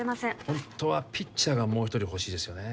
ホントはピッチャーがもう一人欲しいですよね